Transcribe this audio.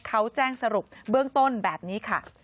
เขาแจ้งสรุปเบื้องต้นแบบนี้ค่ะ